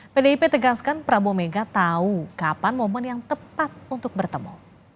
pdip tegaskan prabowo mega tahu kapan momen yang tepat untuk bertemu